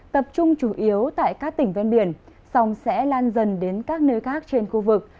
tập trung chủ yếu tại các tỉnh ven biển sông sẽ lan dần đến các nơi khác trên khu vực